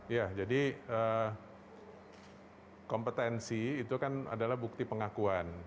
ya jadi kompetensi itu kan adalah bukti pengakuan